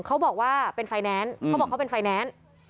เขาบอกว่าเป็นไฟแนนซ์